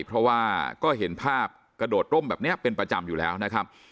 เพราะว่าก็เห็นภาพกระโดดร่มแบบนี้เป็นประจำอยู่แล้วนะครับ